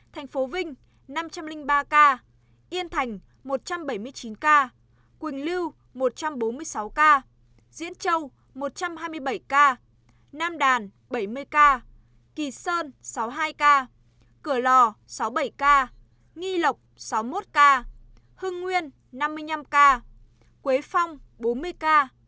tp hcm năm trăm linh ba ca yên thành một trăm bảy mươi chín ca quỳnh lưu một trăm bốn mươi sáu ca diễn châu một trăm hai mươi bảy ca nam đàn bảy mươi ca kỳ sơn sáu mươi hai ca cửa lò sáu mươi bảy ca nghị lộc sáu mươi một ca hưng nguyên năm mươi năm ca quế phong bốn mươi ca